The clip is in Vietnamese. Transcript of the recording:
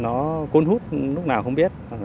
nó cuốn hút lúc nào không biết